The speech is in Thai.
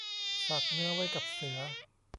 ฝากเนื้อไว้กับเสือ